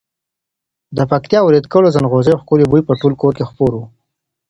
د پکتیا ورېته کړو زڼغوزیو ښکلی بوی به په ټول کور کې خپور وو.